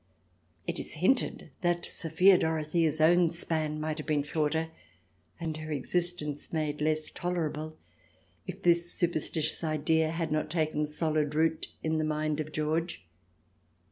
It is hinted that Sophia Dorothea's own span might have been shorter, and her existence made less tolerable, if this superstitious idea had not taken solid root in CH. xix] CELLE 267 the mind of George.